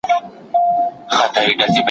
زه پرون د کتابتون د کار مرسته وکړه،